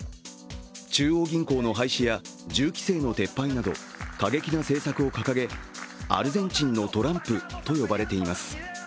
中央銀行の廃止銃規制の撤廃など過激な政策を掲げアルゼンチンのトランプと呼ばれています。